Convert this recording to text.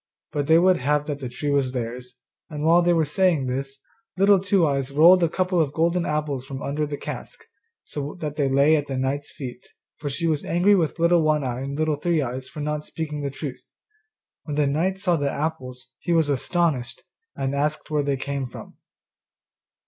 But they would have that the tree was theirs; and while they were saying this, Little Two eyes rolled a couple of golden apples from under the cask, so that they lay at the knight's feet, for she was angry with Little One eye and Little Three eyes for not speaking the truth. When the knight saw the apples he was astonished, and asked where they came from.